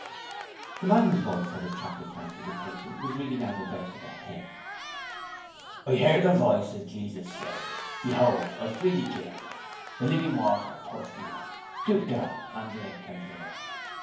The man whose voice had attracted Frankie's attention was reading out a verse of a hymn: 'I heard the voice of Jesus say, Behold, I freely give, The living water, thirsty one, Stoop down and drink, and live.